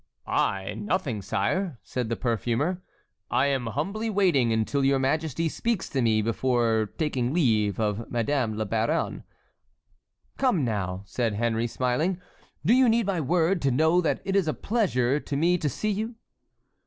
"I? Nothing, sire," said the perfumer, "I am humbly waiting until your majesty speaks to me, before taking leave of Madame la Baronne." "Come, now!" said Henry, smiling. "Do you need my word to know that it is a pleasure to me to see you?"